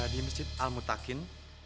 di masjid al mutakin